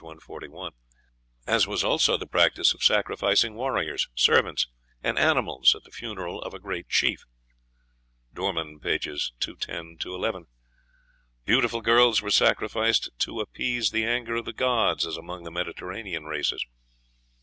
141); as was also the practice of sacrificing warriors, servants, and animals at the funeral of a great chief (Dorman, pp. 210 211.) Beautiful girls were sacrificed to appease the anger of the gods, as among the Mediterranean races.